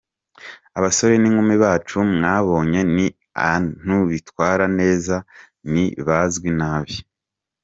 Abasore ninkumi bacu mwababonye ni aantu bitwara neza, ntibazwi nabi.